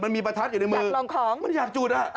มันมีประทัดอยู่ในมือมันอยากจุด